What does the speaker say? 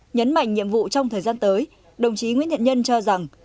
nhấn mạnh nhiệm vụ trong thời gian tới đồng chí nguyễn thiện nhân cho rằng